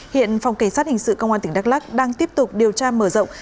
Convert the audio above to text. hiện phòng cảnh sát hình sự công an tỉnh đắk lắc đang tiếp tục điều tra mở rộng